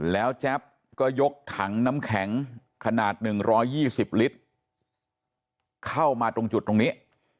แล้วแจ๊บก็ยกถังน้ำแข็งขนาดหนึ่งร้อยยี่สิบลิตรเข้ามาตรงจุดตรงนี้